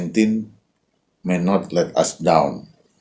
tidak dapat membuat kami berdekatan